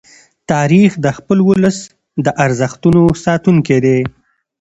تاریخ د خپل ولس د ارزښتونو ساتونکی دی.